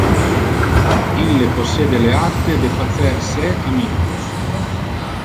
Ille possede le arte de facer se amicos.